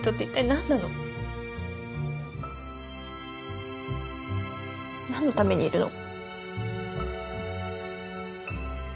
何のためにいるの？